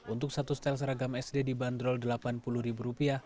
untuk satu setel seragam sd dibanderol rp delapan puluh